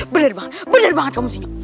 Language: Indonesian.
bener banget bener banget kamu sih